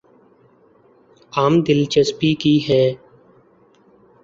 عام دلچسپی کی ہیں